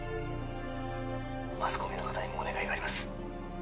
マスコミの方にもお願いがあります